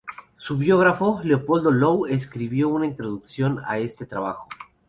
Su biógrafo, Leopoldo Löw, escribió una introducción a este trabajo.